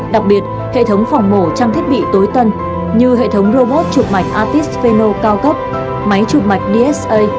đặc biệt hệ thống phòng mổ trang thiết bị tối tân như hệ thống robot chụp mạch atispeno cao cấp máy chụp mạch dsa